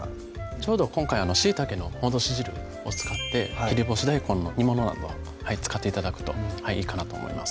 ちょうど今回しいたけの戻し汁を使って切り干し大根の煮物など使って頂くといいかなと思います